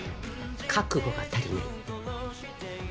覚悟が足りないって。